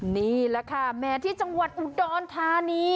นี่แหละค่ะแม้ที่จังหวัดอุดรธานี